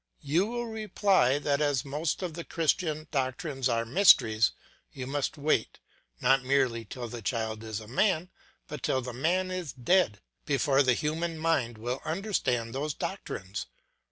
You will reply that as most of the Christian doctrines are mysteries, you must wait, not merely till the child is a man, but till the man is dead, before the human mind will understand those doctrines.